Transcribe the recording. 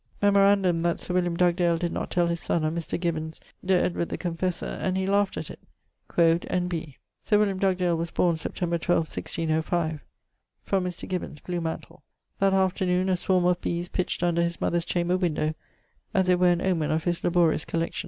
Memorandum that Sir William Dugdale did not tell his son or Mr. Gibbons de Edward the Confessor and he laught at it quod N. B. 'Sir[ED] William Dugdale was borne September 12, 1605' from Mr. Gibbons, Blewmantle. That afternoon a swarme of bees pitch't under his mother's chamber window, as it were an omen of his laborious collections.